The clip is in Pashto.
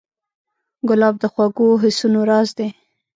ګلاب د خوږو حسونو راز دی.